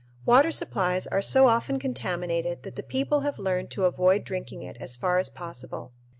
Water supplies are so often contaminated that the people have learned to avoid drinking it as far as possible.